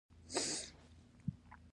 بلکې د مخ څخه یې پرده پورته کوي.